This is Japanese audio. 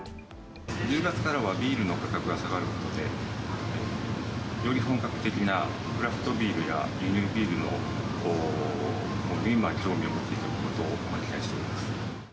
１０月からはビールの価格が下がることで、より本格的なクラフトビールや輸入ビールに、興味を持っていただくと期待しています。